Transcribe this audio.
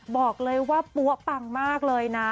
บอกเลยว่าปั๊วปังมากเลยนะ